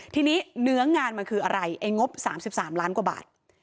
ทีนี้เนื้องานมันคืออะไรไอ้งบ๓๓ล้านกว่าบาท